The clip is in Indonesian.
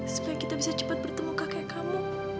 supaya kita bisa cepat bertemu kakek kamu